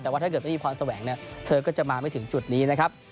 แต่ว่าถ้าเกิดไม่มีพรแสวงเนี่ยเธอก็จะมาไม่ถึงจุดนี้นะครับ